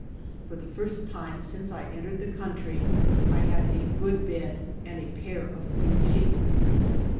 For the first time since I entered the country, I had a good bed and a pair of clean dieets.